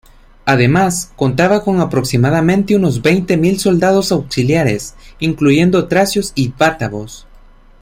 Además, contaba con aproximadamente unos veinte mil soldados auxiliares, incluyendo tracios y bátavos.